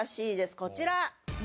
こちら。